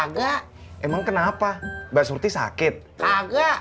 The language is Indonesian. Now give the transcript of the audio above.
kagak emang kenapa mbak surti sakit kagak surthi udah pulang ke jogja naik